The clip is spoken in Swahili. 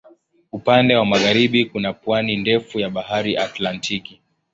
Upande wa magharibi kuna pwani ndefu ya Bahari Atlantiki.